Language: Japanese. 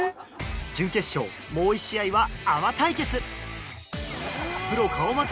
準決勝もう１試合はアマ対決。